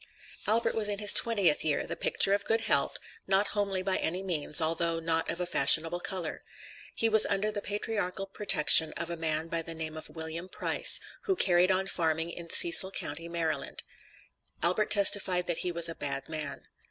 Albert was in his twentieth year, the picture of good health, not homely by any means, although not of a fashionable color. He was under the patriarchal protection of a man by the name of William Price, who carried on farming in Cecil county, Maryland. Albert testified that he was a bad man.